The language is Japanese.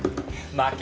負け。